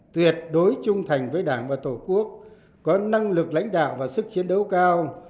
tuyệt đối trung thành với đảng và tổ quốc có năng lực lãnh đạo và sức chiến đấu cao